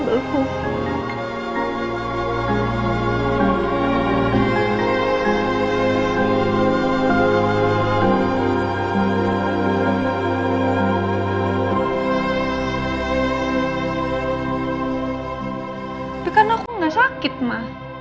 tapi kan aku gak sakit ma